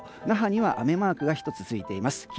那覇には雨マークがついています。